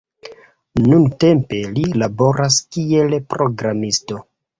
Nuntempe li laboras kiel programisto.